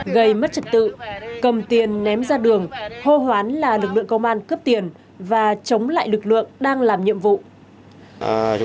gây mất trật tự cầm tiền ném ra đường hô hoán là lực lượng công an cướp tiền và chống lại lực lượng đang làm nhiệm vụ